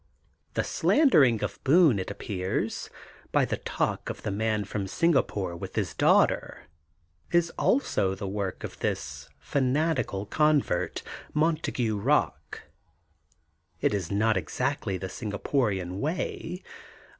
The slander ing of Boone, it appears, by the talk of the Man from Singapore with his daughter, is also the work of this fanatical convert, Montague Bock. It is not exactly the Singa porian way.